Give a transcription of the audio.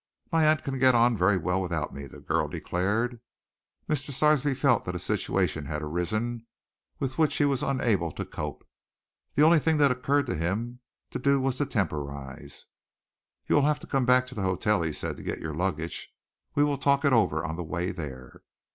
"My aunt can get on very well without me," the girl declared. Mr. Sarsby felt that a situation had arisen with which he was unable to cope. The only thing that occurred to him to do was to temporize. "You will have to come back to the hotel," he said, "to get your luggage. We will talk it over on the way there."